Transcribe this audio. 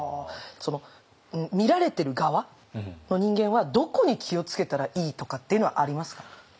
見られてる側の人間はどこに気を付けたらいいとかっていうのはありますか？